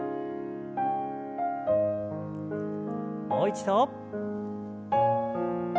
もう一度。